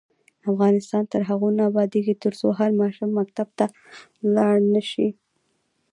افغانستان تر هغو نه ابادیږي، ترڅو هر ماشوم مکتب ته لاړ نشي.